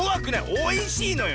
おいしいのよ。